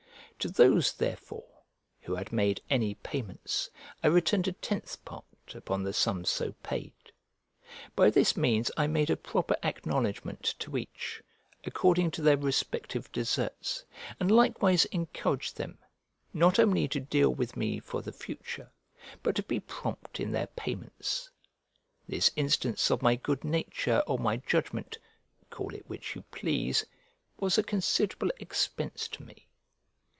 To those, therefore, who had made any payments, I returned a tenth part upon the sums so paid. By this means I made a proper acknowledgment to each, according to their respective deserts, and likewise encouraged them, not only to deal with me for the future, but to be prompt in their payments. This instance of my good nature or my judgment (call it which you please) was a considerable expense to me.